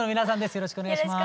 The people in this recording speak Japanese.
よろしくお願いします。